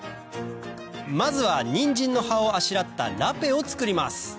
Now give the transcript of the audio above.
まずはニンジンの葉をあしらったラペを作ります